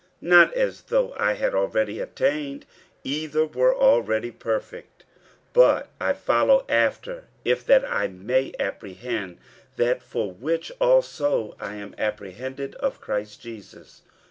50:003:012 Not as though I had already attained, either were already perfect: but I follow after, if that I may apprehend that for which also I am apprehended of Christ Jesus.